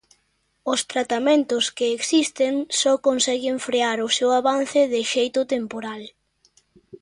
Os tratamentos que existen só conseguen frear o seu avance de xeito temporal.